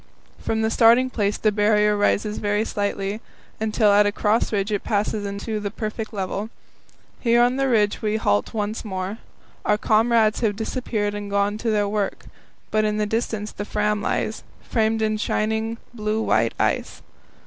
From the starting place the Barrier rises very slightly, until at a cross ridge it passes into the perfect level. Here on the ridge we halt once more. Our comrades have disappeared and gone to their work, but in the distance the Fram lies, framed in shining, blue white ice.